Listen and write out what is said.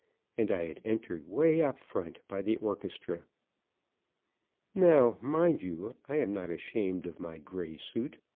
And I had entered 'way up front, by the orchestra. Now, mind you, I am not ashamed of my gray suit.